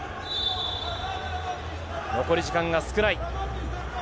残り時間が少ない。